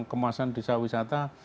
kemasan desa wisata